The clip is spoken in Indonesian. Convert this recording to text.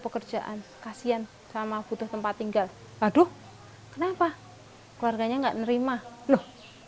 pekerjaan kasian sama butuh tempat tinggal aduh kenapa keluarganya enggak nerima loh